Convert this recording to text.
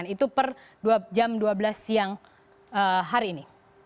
itu per jam dua belas siang hari ini